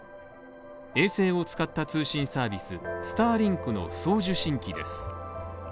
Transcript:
衛星を使った通信サービス、スターリンクの送受信機です。